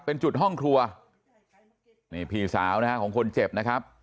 เป็นจุดห้องครัวนี่พี่สาวนะฮะของคนเจ็บนะครับ